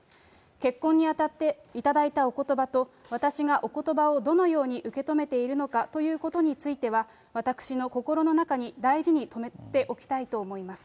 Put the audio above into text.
結婚にあたって頂いたおことばと、私がおことばをどのように受け止めているのかということについては私の心の中に大事にとめておきたいと思います。